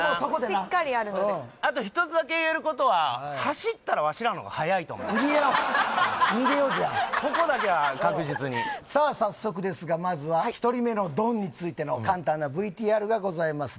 しっかりあるのであと１つだけ言えることは逃げよう逃げようじゃあここだけは確実にさあ早速ですがまずは１人目のドンについての簡単なＶＴＲがございます